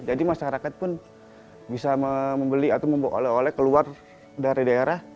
masyarakat pun bisa membeli atau membawa oleh oleh keluar dari daerah